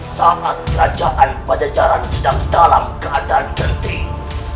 saat kerajaan pada jaran sedang dalam keadaan genting